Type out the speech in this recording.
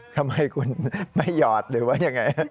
ทำไมคุณไม่หยอดหรือว่ายังไง